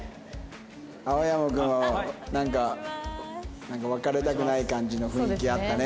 青山君はなんかなんか別れたくない感じの雰囲気あったね